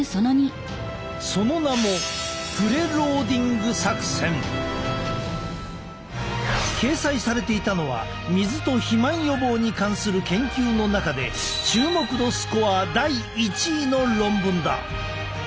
その名も掲載されていたのは水と肥満予防に関する研究の中で注目度スコア第１位の論文だ。